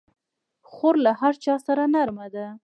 خور له هر چا سره نرمه ده.